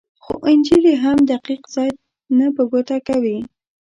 خو انجیل یې هم دقیق ځای نه په ګوته کوي.